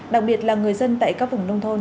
đặc biệt là người dân tại các vùng nông thôn